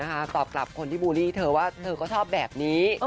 ตอบกลับคนที่บูลลี่เธอว่าเธอก็ชอบแบบนี้